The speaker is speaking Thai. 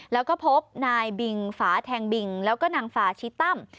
แล้วก็พบนายบิงฝาแทงบิงแล้วก็นางฟาชิตั้ม